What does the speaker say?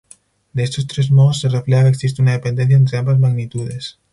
De estos tres modos se refleja que existe una dependencia entre ambas magnitudes.